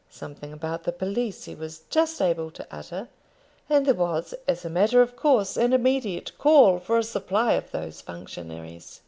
Something about the police he was just able to utter, and there was, as a matter of course, an immediate call for a supply of those functionaries.